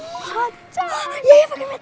macan ya ya pak kemet